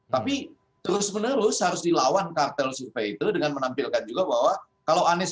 tapi terus menerus harus dilawan kartel survei itu dengan menampilkan juga bahwa kalau anies